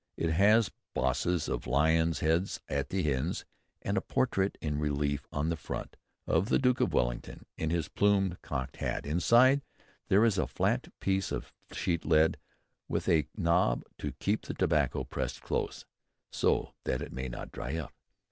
It has bosses of lions' heads at the ends, and a portrait in relief on the front of the Duke of Wellington in his plumed cocked hat. Inside, there is a flat piece of sheet lead with a knob to keep the tobacco pressed close, so that it may not dry up.